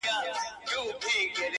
ستا خو د سونډو د خندا خبر په لپه كي وي؛